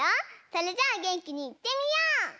それじゃあげんきにいってみよう！